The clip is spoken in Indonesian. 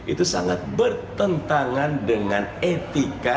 itu sangat bertentangan dengan etika